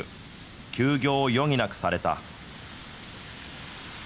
休業を余儀なくされた。